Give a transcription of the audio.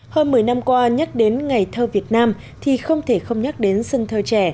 hơn một mươi năm qua nhắc đến ngày thơ việt nam thì không thể không nhắc đến sân thơ trẻ